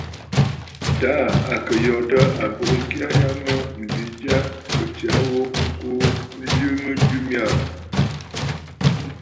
Taà à kɨ̀ yòtə̂ àbùʼu ŋkya ya mə mbi jyâ kɨ̀ tsya ghu ŋkuu njɨ mɨjɨ mya aà.